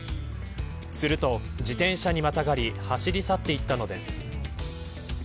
すると、自転車にまたがり走り去っていったのです。